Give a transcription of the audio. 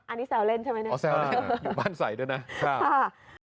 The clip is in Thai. อันนี้แซวเล่นใช่ไหมนะอ๋อแซวเล่นอยู่บ้านใส่ด้วยนะครับ